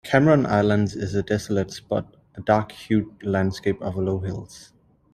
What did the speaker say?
Cameron Island is a desolate spot: a dark-hued landscape of low hills.